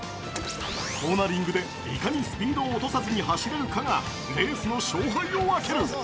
コーナリングでいかにスピードを落とさずに走れるかがレースの勝敗を分ける。